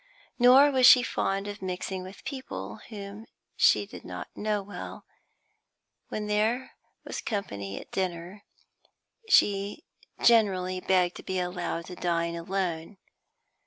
Nor was she fond of mixing with people whom she did not know well; when there was company at dinner, she generally begged to be allowed to dine alone.